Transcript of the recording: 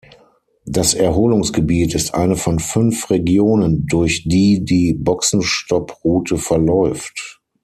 Das Erholungsgebiet ist eine von fünf Regionen, durch die die Boxenstopp-Route verläuft.